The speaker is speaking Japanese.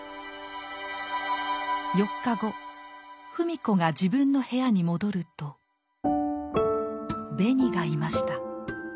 ４日後芙美子が自分の部屋に戻るとベニがいました。